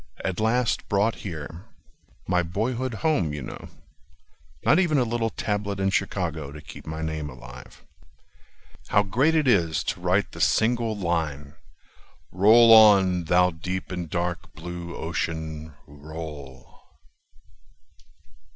At last brought here— My boyhood home, you know— Not even a little tablet in Chicago To keep my name alive. How great it is to write the single line: "Roll on, thou deep and dark blue Ocean, roll!